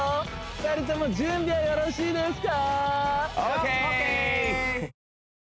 ２人とも準備はよろしいですか？